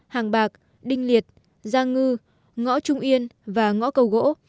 hàng bạc đinh liệt gia ngư ngõ trung yên và ngõ cầu gỗ